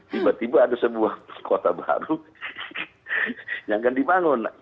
tiba tiba ada sebuah kota baru yang akan dibangun